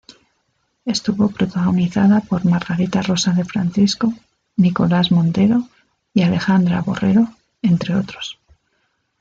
Estuvo protagonizada por Margarita Rosa de Francisco, Nicolás Montero y Alejandra Borrero, entre otros.